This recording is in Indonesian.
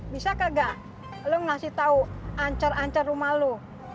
bisa kagak lo ngasih tau ancar ancar rumah lo